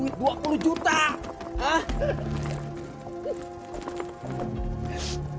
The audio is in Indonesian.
nah misalnya lagi